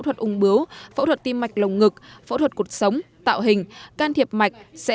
thuật ung bướu phẫu thuật tim mạch lồng ngực phẫu thuật cuộc sống tạo hình can thiệp mạch sẽ